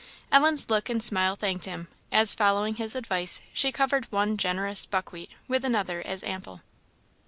Ellen's look and smile thanked him, as, following his advice, she covered one generous "buckwheat" with another as ample.